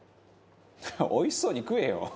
「おいしそうに食えよ！